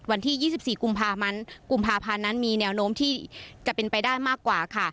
วันที่ยี่สิบสี่กุมภาพันธ์มีแนวโน้มที่จะเป็นไปได้มากกว่าค่ะ